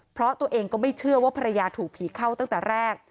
เพราะตัวเองก็ไม่เชื่อว่าภรรยาถูกผีเข้าตั้งแต่แรก